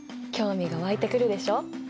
興味が湧いてくるでしょ？